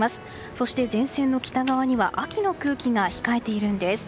そして、前線の北側には秋の空気が控えているんです。